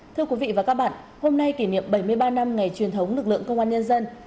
thưa quý vị và các bạn hôm nay kỷ niệm bảy mươi ba năm ngày truyền thống lực lượng công an nhân dân